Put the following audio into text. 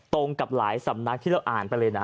ตรงกับหลายสำนักที่เราอ่านไปเลยนะ